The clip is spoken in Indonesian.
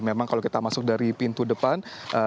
memang kalau kita masuk dari pintu depan